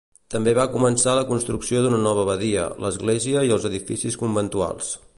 També va començar la construcció d'una nova abadia, l'església i els edificis conventuals.